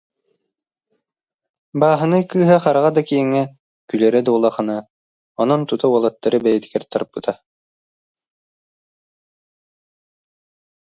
Бааһынай кыыһа хараҕа да киэҥэ, күлэрэ да улахана, онон тута уолаттары бэйэтигэр тарпыта